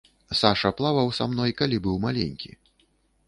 Саша плаваў са мной калі быў маленькі.